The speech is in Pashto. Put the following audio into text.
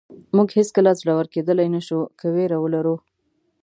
موږ هېڅکله زړور کېدلی نه شو که وېره ولرو.